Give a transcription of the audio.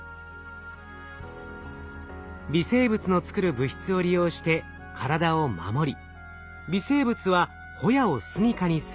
微生物の作る物質を利用して体を守り微生物はホヤをすみかにする。